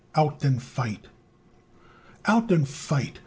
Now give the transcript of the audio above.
OUT AND FIGHT Out and fight!